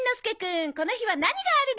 この日は何があるでしょう？